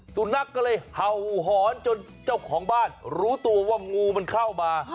สุนัขก็เลยเห่าหอนจนเจ้าของบ้านรู้ตัวว่างูมันเข้ามา